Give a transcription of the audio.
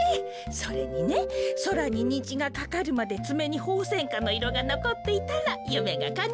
それにねそらににじがかかるまでつめにホウセンカのいろがのこっていたらゆめがかなうそうよ。